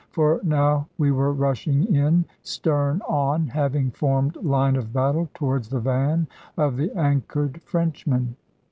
For now we were rushing in, stern on, having formed line of battle, towards the van of the anchored Frenchmen.